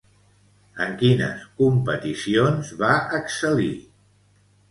En quines competicions va excel·lir?